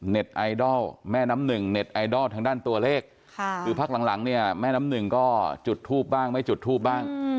ไอดอลแม่น้ำหนึ่งเน็ตไอดอลทางด้านตัวเลขคือพักหลังหลังเนี่ยแม่น้ำหนึ่งก็จุดทูบบ้างไม่จุดทูบบ้าง